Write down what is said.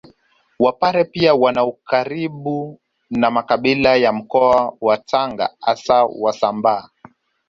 Wapare pia wana ukaribu na makabila ya mkoa wa Tanga hasa Wasambaa